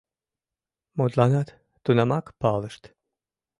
Мутланат — тунамак палышт